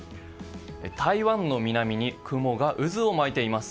台湾の南に雲が渦を巻いています。